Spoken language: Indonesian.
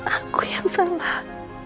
aku yang salah